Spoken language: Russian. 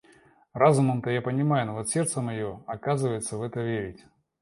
Разумом-то я это понимаю, но вот сердце моё отказывается в это верить.